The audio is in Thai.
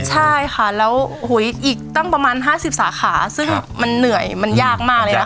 ใช่ค่ะแล้วอีกตั้งประมาณ๕๐สาขาซึ่งมันเหนื่อยมันยากมากเลยนะคะ